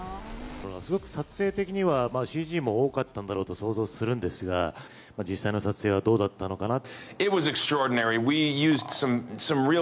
すごく撮影的にはＣＧも多かったんだろうと想像するんですが、実際の撮影はどうだったのかな。